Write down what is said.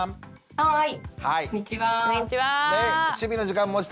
はい。